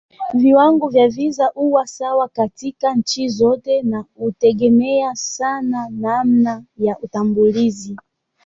Viwango vya visa huwa sawa katika nchi zote na hutegemea sana namna ya utambuzi.